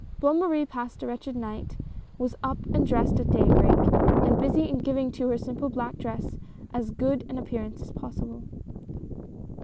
Bonne Marie passed a wretched night, was up and dressed at daybreak, and busy in giving to her simple black dress as good an appearance as possible.